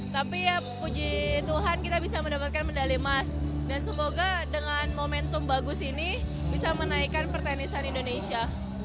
tapi ya puji tuhan kita bisa mendapatkan medali emas dan semoga dengan momentum bagus ini bisa menaikkan pertenisan indonesia